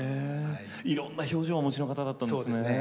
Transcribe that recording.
いろんな表情をお持ちの方だったんですね。